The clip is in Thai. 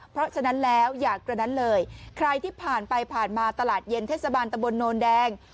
เพราะฉะนั้นแล้วอยากกระนั้นเลยใครที่ผ่านไปผ่านมาตลาดเย็นเทศบาลตะบนโนนแดง